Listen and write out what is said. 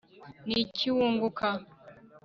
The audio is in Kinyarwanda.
ni iki wunguka